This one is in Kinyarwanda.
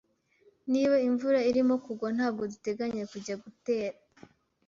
Niba imvura irimo kugwa, ntabwo duteganya kujya gutembera.